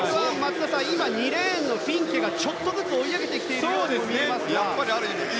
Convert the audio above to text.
今、２レーンのフィンケがちょっとずつ追い上げてきているように見えますが。